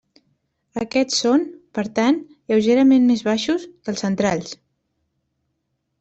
Aquests són, per tant, lleugerament més baixos, que els centrals.